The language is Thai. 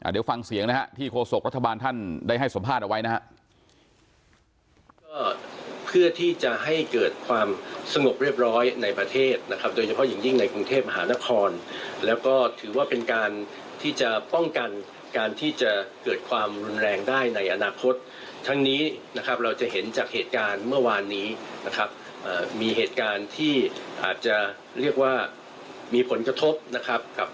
เดี๋ยวฟังเสียงนะฮะที่โฆษกรัฐบาลท่านได้ให้สัมภาษณ์เอาไว้นะครับ